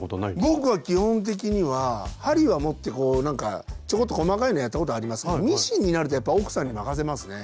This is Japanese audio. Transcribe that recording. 僕は基本的には針は持ってこうなんかちょこっと細かいのやったことありますけどミシンになるとやっぱ奥さんに任せますね。